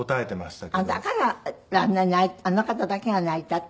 だからあんなにあの方だけが泣いたって。